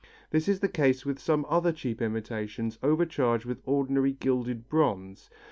This is the case with some other cheap imitations overcharged with ordinary gilded bronze.